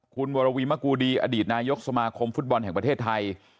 คุณวรวีมะกูดีอดีตนายกสมาคมฟุตบอลแห่งประเทศไทย